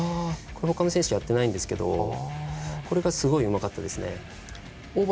他の選手はやってないんですけどこれがすごいうまかったですね。